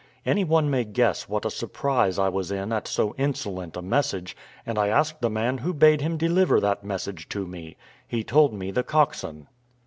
Any one may guess what a surprise I was in at so insolent a message; and I asked the man who bade him deliver that message to me? He told me the coxswain.